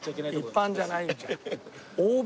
一般じゃないじゃん。